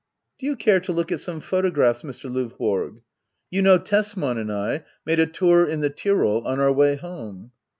] Do you care to look at some photographs^ Mr. L&vborg? You know Tesman and I made a tour in the Tyrol on our way home